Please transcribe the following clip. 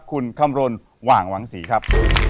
คุณคำรณหว่างหวังศรีครับ